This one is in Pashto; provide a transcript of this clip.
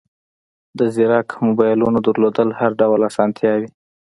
د زیرک موبایلونو درلودل هر ډول اسانتیاوې